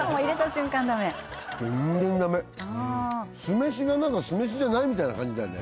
全然ダメ酢飯が何か酢飯じゃないみたいな感じだよね